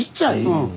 うん。